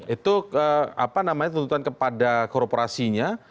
itu apa namanya tuntutan kepada korporasinya